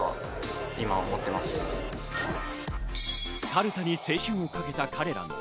かるたに青春を懸けた彼ら。